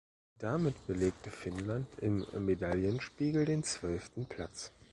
Damit belegte Finnland im Medaillenspiegel den zwölften Platz.